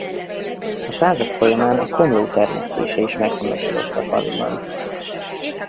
A század folyamán a komló termesztése is meghonosodott a faluban.